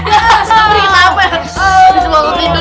oh sobri bau